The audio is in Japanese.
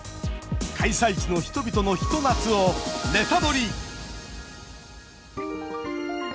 開催地の人々のひと夏をネタドリ！